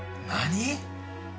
何！？